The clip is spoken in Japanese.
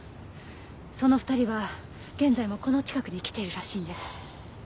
その２人は現在もこの近くに来ているらしいんです。